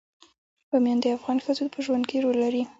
بامیان د افغان ښځو په ژوند کې رول لري.